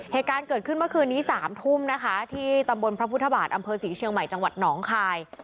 เหตุการณ์เกิดขึ้นเมื่อคืนนี้๓ทุ่มนะคะที่ตำบลพระพุทธบาทอำเภอศรีเชียงใหม่จังหวัดหนองคาย